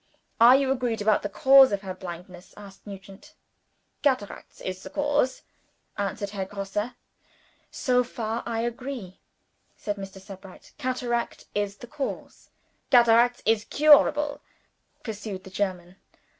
"Are you agreed about the cause of her blindness?" asked Nugent. "Cataracts is the cause," answered Herr Grosse. "So far, I agree," said Mr. Sebright. "Cataract is the cause. "Cataracts is curable," pursued the German.